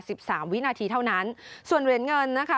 สิบสามวินาทีเท่านั้นส่วนเหรียญเงินนะคะ